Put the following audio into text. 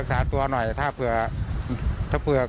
รักษาตัวหน่อยถ้าเผื่อ